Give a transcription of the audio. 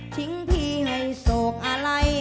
ทิ้งพี่ให้โศกอะไร